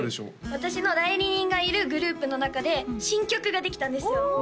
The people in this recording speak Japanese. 私の代理人がいるグループの中で新曲ができたんですよ